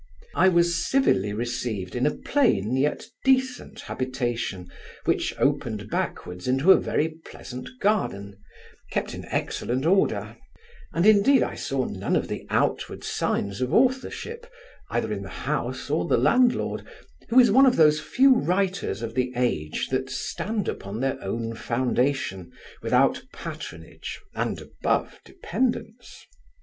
I was civilly received in a plain, yet decent habitation, which opened backwards into a very pleasant garden, kept in excellent order; and, indeed, I saw none of the outward signs of authorship, either in the house or the landlord, who is one of those few writers of the age that stand upon their own foundation, without patronage, and above dependence.